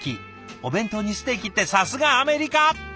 お弁当にステーキってさすがアメリカ！